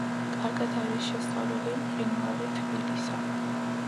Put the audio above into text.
კარგად არის შესწავლილი მყინვარი თბილისა.